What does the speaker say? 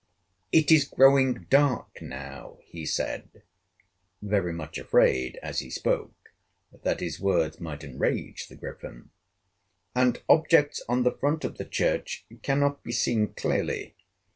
"It is growing dark, now," he said, very much afraid, as he spoke, that his words might enrage the Griffin, "and objects on the front of the church can not be seen clearly.